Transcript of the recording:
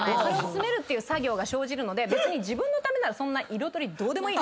詰めるって作業が生じるので別に自分のためならそんな彩りどうでもいいって。